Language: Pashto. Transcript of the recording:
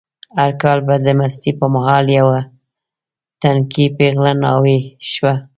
هر کال به د مستۍ په مهال یوه تنکۍ پېغله ناوې شوه.